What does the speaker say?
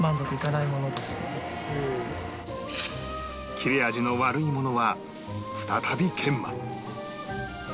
切れ味の悪いものは再び研磨